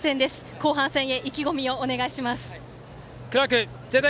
後半戦へ意気込みをお願いします。